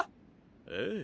ええ。